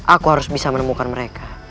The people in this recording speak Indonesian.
aku harus bisa menemukan mereka